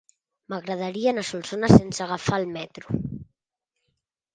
M'agradaria anar a Solsona sense agafar el metro.